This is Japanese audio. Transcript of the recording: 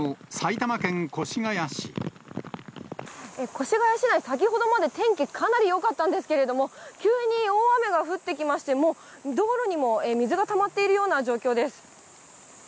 越谷市内、先ほどまで天気、かなりよかったんですけれども、急に大雨が降ってきまして、もう道路にも水がたまっているような状況です。